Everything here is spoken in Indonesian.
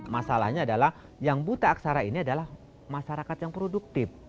masalahnya adalah yang buta aksara ini adalah masyarakat yang produktif